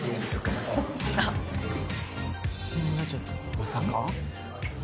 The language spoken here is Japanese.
まさか。